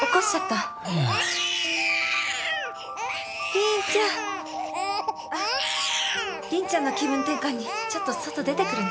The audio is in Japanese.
凛ちゃん。あっ凛ちゃんの気分転換にちょっと外出てくるね。